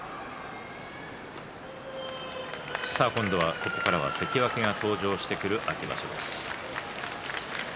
ここからは関脇が登場してくる秋場所です。